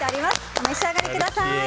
お召し上がりください。